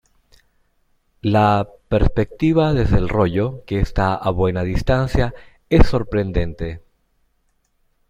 La perspectiva desde el rollo, que está a buena distancia, es sorprendente.